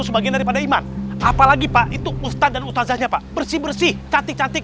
sebagian daripada iman apalagi pak itu ustadz dan utazahnya pak bersih bersih cantik cantik